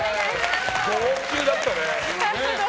号泣だったね。